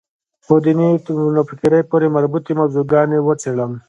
په دیني نوفکرۍ پورې مربوطې موضوع ګانې وڅېړم.